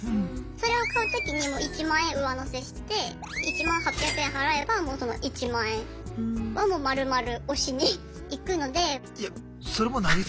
それを買う時に１万円上乗せして１万８００円払えばもうその１万円はもう丸々推しに行くので。